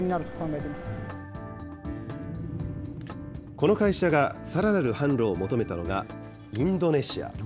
この会社がさらなる販路を求めたのがインドネシア。